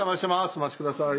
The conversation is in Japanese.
お待ちください。